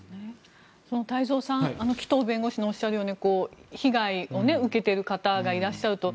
太蔵さん紀藤弁護士がおっしゃるように被害を受けている方がいらっしゃると。